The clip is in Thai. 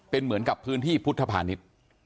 เป็นเหมือนกับพื้นที่พุทธภานิษฐ์